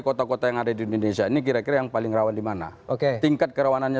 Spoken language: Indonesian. kota kota yang ada di indonesia ini kira kira yang paling rawan di mana oke tingkat kerawanannya